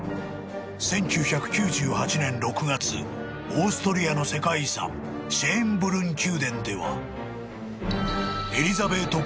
［オーストリアの世界遺産シェーンブルン宮殿では］